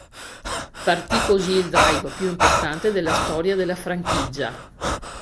Partì così il drive più importante della storia della franchigia.